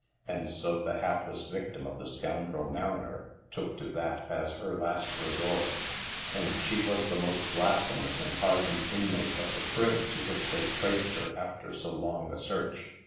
And so the hapless victim of the scoundrel mari ner took to that as her last resource, and she was the most blasphe mous and hardened inmate of the crib to which they traced her after so long a search.